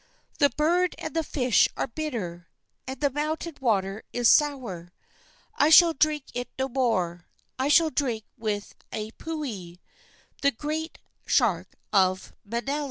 The bird and the fish are bitter, And the mountain water is sour. I shall drink it no more; I shall drink with Aipuhi, The great shark of Manele."